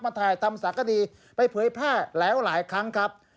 มาถ่ายทำศักดิ์การไปเผยผ้าแล้วหลายครั้งครับ